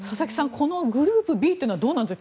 このグループＢというのはどうなんでしょう。